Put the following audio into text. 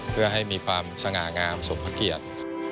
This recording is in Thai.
เพื่อให้มีความสง่างามสมพระเกียรติ